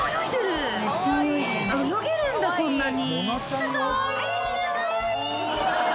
泳げるんだこんなに。